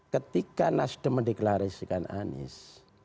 ketika nasdem mendeklarasikan anis